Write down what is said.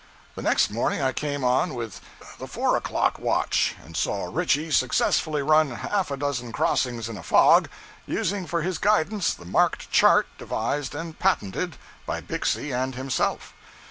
The next morning I came on with the four o'clock watch, and saw Ritchie successfully run half a dozen crossings in a fog, using for his guidance the marked chart devised and patented by Bixby and himself.